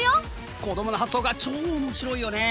子どもの発想が超おもしろいよねえ！